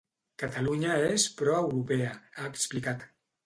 Catalunya és pro europea, ha explicat.